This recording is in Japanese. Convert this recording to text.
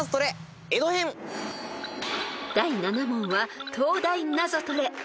［第７問は東大ナゾトレ］